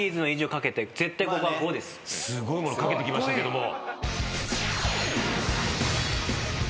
すごいもの懸けてきましたけども。